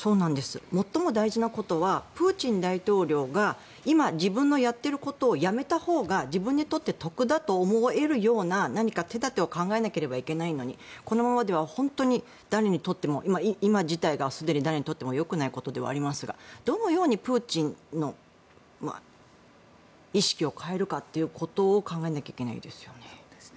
最も大事なことはプーチン大統領が今、自分のやっていることをやめたほうが自分にとって得だと思えるような何か手立てを考えなければいけないのにこのままでは本当に誰にとっても今、事態がすでに誰にとってもよくないことではありますがどのようにプーチンの意識を変えるかということを考えなきゃいけないですね。